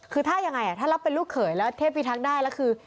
คือถ้ายังไงถ้ารับเป็นลูกเขยแล้วเทพิทักษ์ได้แล้วคือ